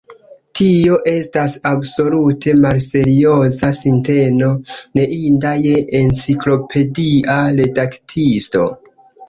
Tio estas absolute malserioza sinteno, neinda je enciklopedia redaktisto.